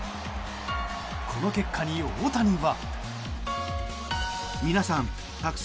この結果に大谷は。